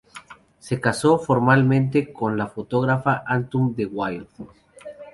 Se casó formalmente con la fotógrafa Autumn de Wilde.